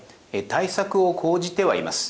対策を講じてはいます。